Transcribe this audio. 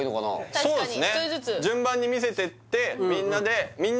そうっすね